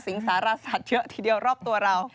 สารศาสตร์เยอะทีเดียวรอบตัวเรา